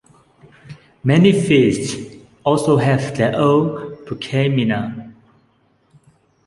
Many feasts also have their own prokeimena.